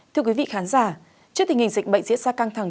thưa quý vị khán giả trước tình hình dịch bệnh diễn ra căng thẳng